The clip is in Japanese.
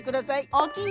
おおきに。